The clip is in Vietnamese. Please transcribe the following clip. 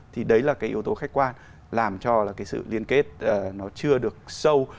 thì đấy là cái yếu tố khách quan làm cho là cái sự liên kết nó chưa được sâu